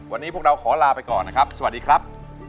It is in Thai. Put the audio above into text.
วันนี้พวกเราขอลาไปก่อนนะครับสวัสดีครับ